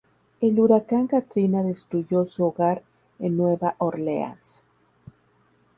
El huracán Katrina destruyó su hogar en Nueva Orleans.